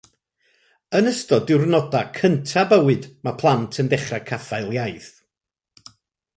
Yn ystod diwrnodau cyntaf bywyd mae plant yn dechrau caffael iaith